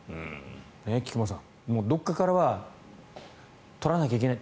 菊間さん、どこかからは取らなきゃいけない。